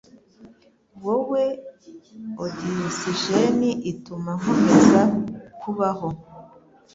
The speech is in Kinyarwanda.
Wowe ogisijeni ituma nkomeza kubaho.